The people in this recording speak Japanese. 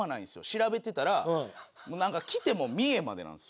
調べてたらなんか来ても三重までなんですよ大体。